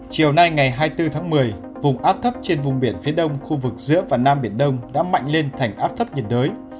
chiều nay ngày hai mươi bốn tháng một mươi vùng áp thấp trên vùng biển phía đông khu vực giữa và nam biển đông đã mạnh lên thành áp thấp nhiệt đới